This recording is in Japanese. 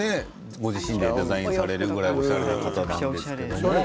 ご自身でデザインされるぐらいおしゃれな方ですよね。